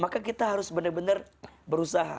maka kita harus benar benar berusaha